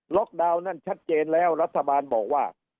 ดาวน์นั่นชัดเจนแล้วรัฐบาลบอกว่า